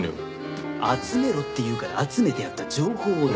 集めろって言うから集めてやった情報をだ。